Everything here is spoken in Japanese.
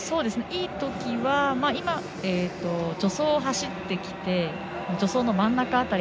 いいときは助走を走ってきて助走の真ん中辺り。